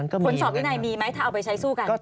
ผลสอบวินัยมีไหมถ้าเอาไปใช้สู้กัน